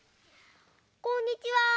こんにちは。